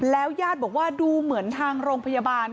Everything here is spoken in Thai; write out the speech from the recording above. ญาติบอกว่าดูเหมือนทางโรงพยาบาล